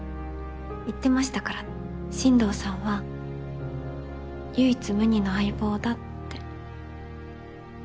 言ってましたから進藤さんは唯一無二の相棒だって。